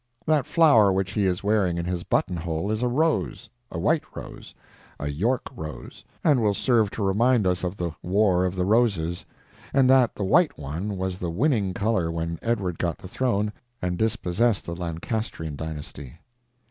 That flower which he is wearing in his buttonhole is a rose—a white rose, a York rose—and will serve to remind us of the War of the Roses, and that the white one was the winning color when Edward got the throne and dispossessed the Lancastrian dynasty.